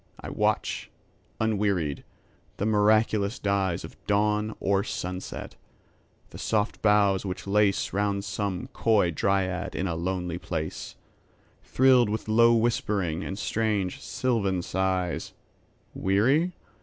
I watch, unwearied, the miraculous dyesOf dawn or sunset; the soft boughs which laceRound some coy dryad in a lonely place, Thrilled with low whispering and strange sylvan sighs:Weary?